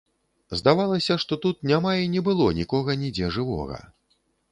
Здавалася, што тут няма і не было нікога нідзе жывога.